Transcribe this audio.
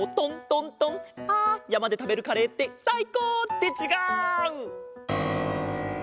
あやまでたべるカレーってさいこう！ってちがう！